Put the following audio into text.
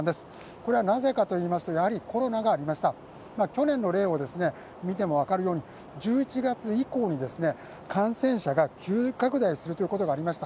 これはなぜかといいますと、やはりコロナがありました、去年の例を見ても分かるように１１月以降に感染者が急拡大するということがありました。